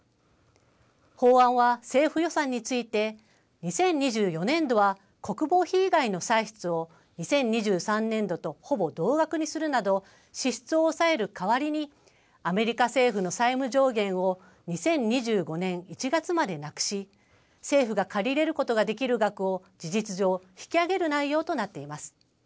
法案は政府予算について２０２４年度は国防費以外の歳出を２０２３年度とほぼ同額にするなど支出を抑えるかわりにアメリカ政府の債務上限を２０２５年１月までなくし政府が借り入れることができる額を事実上、引き上げる内容となっています。